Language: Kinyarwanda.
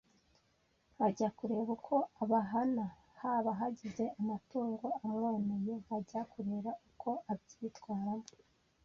nkajya kureba uko abahana, haba hagize amatungo amwoneye nkajya kureba uko abyitwaramo